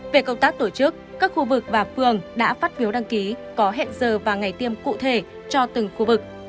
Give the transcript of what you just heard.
về công tác tổ chức các khu vực và phường đã phát phiếu đăng ký có hẹn giờ và ngày tiêm cụ thể cho từng khu vực